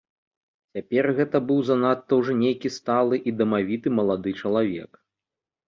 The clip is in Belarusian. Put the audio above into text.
Цяпер гэта быў занадта ўжо нейкі сталы і дамавіты малады чалавек.